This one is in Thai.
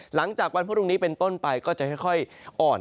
หลังจากวันพรุ่งนี้เป็นต้นไปก็จะค่อยอ่อน